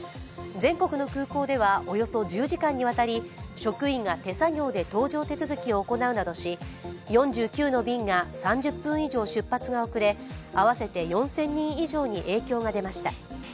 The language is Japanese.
全国の空港ではおよそ１０時間にわたり職員が手作業で搭乗手続きを行うなどし４９の便が３０分以上出発が遅れ、合わせて４０００人以上に影響が出ました。